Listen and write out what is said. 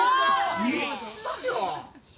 言ったよ。